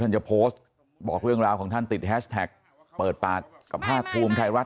จะโพสต์บอกเรื่องราวของท่านติดแฮชแท็กเปิดปากกับภาคภูมิไทยรัฐ